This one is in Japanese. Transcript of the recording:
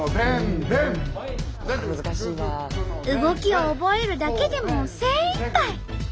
動きを覚えるだけでも精いっぱい。